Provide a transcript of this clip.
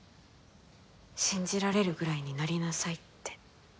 信じられるぐらいになりなさいって。